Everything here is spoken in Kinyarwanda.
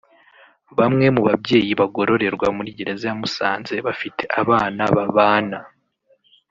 Bamwe mu babyeyi bagororerwa muri Gereza ya Musanze bafite abana babana